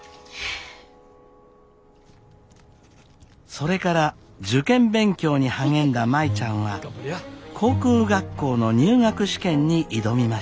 それから受験勉強に励んだ舞ちゃんは航空学校の入学試験に挑みました。